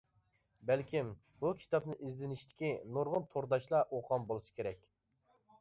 بەلكىم بۇ كىتابنى ئىزدىنىشتىكى نۇرغۇن تورداشلار ئوقۇغان بولسا كېرەك.